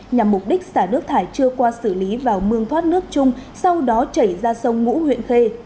nhằm mục đích xả nước thải chưa qua xử lý vào mương thoát nước chung sau đó chảy ra sông ngũ huyện khê